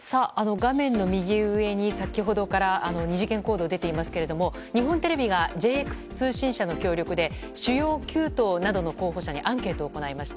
画面の右上に先ほどから二次元コード出ていますが日本テレビがＪＸ通信社の協力で主要９党などの候補者にアンケートを行いました。